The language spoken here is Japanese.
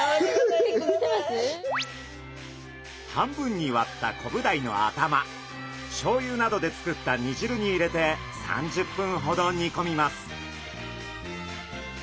半分に割ったコブダイの頭しょうゆなどで作った煮じるに入れて３０分ほど煮込みます。